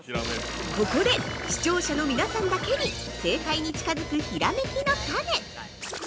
◆ここで視聴者の皆さんだけに正解に近づくひらめきのタネ。